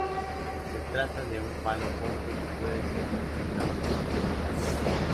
Se trata de un palo corto que puede ser manipulado con una mano.